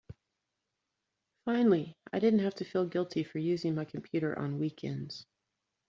Finally I didn't have to feel guilty for using my computer on weekends.